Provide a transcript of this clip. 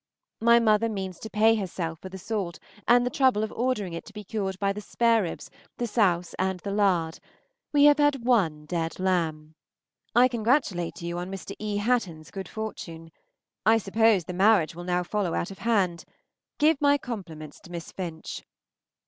My mother means to pay herself for the salt and the trouble of ordering it to be cured by the spareribs, the souse, and the lard. We have had one dead lamb. I congratulate you on Mr. E. Hatton's good fortune. I suppose the marriage will now follow out of hand. Give my compliments to Miss Finch.